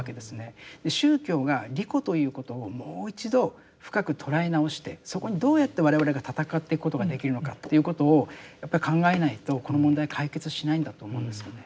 宗教が利己ということをもう一度深く捉え直してそこにどうやって我々がたたかっていくことができるのかということをやっぱり考えないとこの問題解決しないんだと思うんですよね。